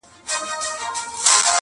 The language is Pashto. خو وجدان يې ورسره دی تل,